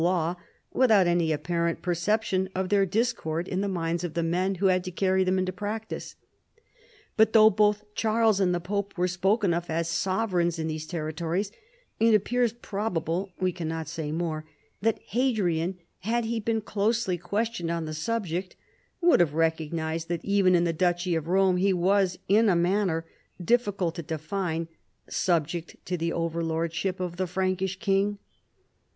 I35 law without any apparent perception of their dis cord in the minds of the men who had to carry them into practice. But though both Charles and the pope are spoken of as sovereigns in these ter ritories it appears probable — we cannot say more — that Hadrian, had he been closely questioned on the subject, would have recognized that even in the duchy of Rome he was, in a manner difficult to de fine, subject to the over lordship of the Frankish king.